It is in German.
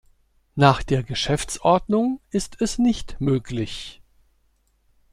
Nach der Geschäftsordnung ist es nicht möglich.